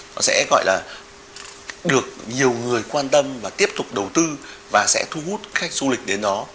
nó sẽ được nhiều người quan tâm và tiếp tục đầu tư và sẽ thu hút khách du lịch đến đó